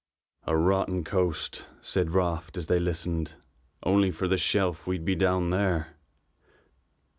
"A rotten coast," said Raft as they listened. "Only for this shelf we'd be down there."